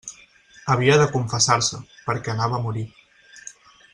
Havia de confessar-se, perquè anava a morir.